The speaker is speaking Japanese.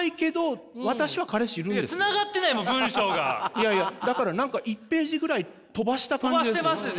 いやいやだから何か１ページぐらい飛ばした感じですよ。